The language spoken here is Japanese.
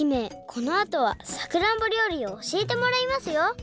このあとはさくらんぼりょうりをおしえてもらいますよ。